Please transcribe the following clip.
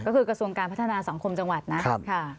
ก็คือกระทรวงการพัฒนาสังคมจังหวัดนะ